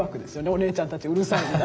「お姉ちゃんたちうるさい」。